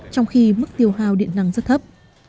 trong khi mức tiêu hào điện năng rất thấp